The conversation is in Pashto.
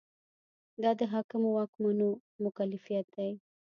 دا د حاکمو واکمنو مکلفیت دی.